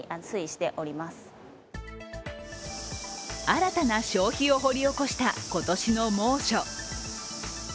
新たな消費を掘り起こした今年の猛暑。